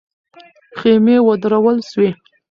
خېمې ودرول سوې.